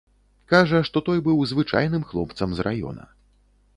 Кажа, што той быў звычайным хлопцам з раёна.